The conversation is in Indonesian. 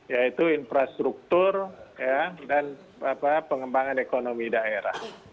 yaitu infrastruktur dan pengembangan ekonomi daerah